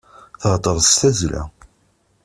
Theddṛeḍ s tazzla.